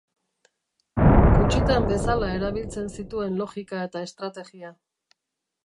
Gutxitan bezala erabiltzen zituen logika eta estrategia.